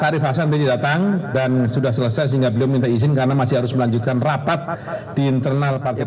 pak arief hasan tadi datang dan sudah selesai sehingga belum minta izin karena masih harus melanjutkan rapat di internal partai